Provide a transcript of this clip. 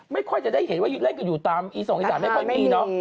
ไม่ค่อยจะได้เห็นว่าเล่นอยู่ตามอีสองอีสามแม่ป้อยปี